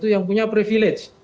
yang punya privilege